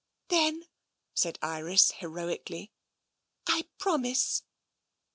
" Then," said Iris heroically, " I promise."